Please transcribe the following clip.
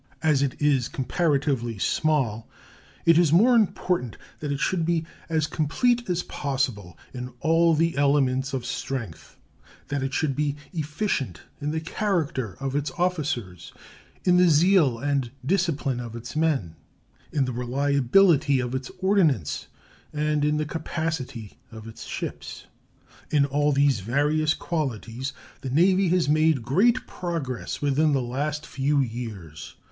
As it is comparatively small, it is more important that it should be as complete as possible in all the elements of strength; that it should be efficient in the character of its officers, in the zeal and discipline of its men, in the reliability of its ordnance, and in the capacity of its ships. In all these various qualities the Navy has made great progress within the last few years.